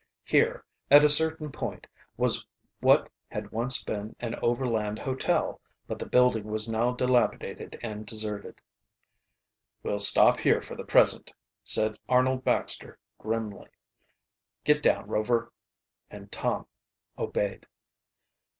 Here, at a certain point, was what had once been an overland hotel, but the building was now dilapidated and deserted. "We'll stop here for the present," said Arnold Baxter grimly. "Get down, Rover," and Tom obeyed.